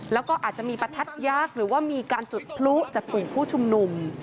แล้วก็อาจจะมีประทัดยักษ์หรือว่ามีการจุดพลุจากกลุ่มผู้ชุมนุม